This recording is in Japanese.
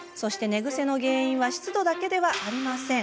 寝ぐせの原因は湿度だけではありません。